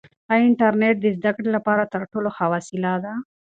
آیا انټرنیټ د زده کړې لپاره تر ټولو ښه وسیله ده؟